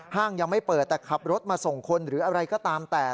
ห้างยังไม่เปิดแต่ขับรถมาส่งคนหรืออะไรก็ตามแต่